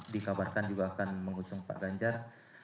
dikabarkan juga akan mengusung pak ganjar